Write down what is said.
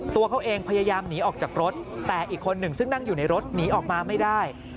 ตัวเขาเองพยายามหนีออกจากรถแต่อีกคนหนึ่งซึ่งนั่งอยู่ในรถหนีออกมาไม่ได้